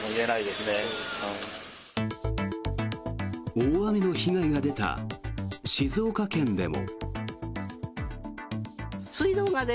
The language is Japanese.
大雨の被害が出た静岡県でも。